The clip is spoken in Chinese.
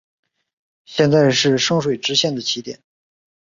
现在是圣水支线的起点。